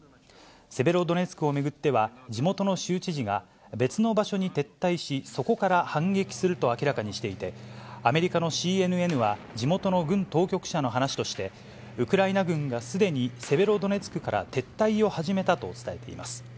セベロドネツクを巡っては、地元の州知事が、別の場所に撤退し、そこから反撃すると明らかにしていて、アメリカのＣＮＮは地元の軍当局者の話として、ウクライナ軍がすでにセベロドネツクから撤退を始めたと伝えています。